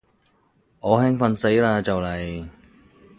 我興奮死嘞就嚟